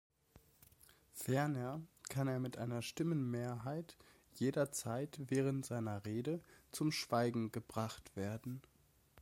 Ferner kann er mit einer Stimmenmehrheit jederzeit während seiner Rede zum Schweigen gebracht werden.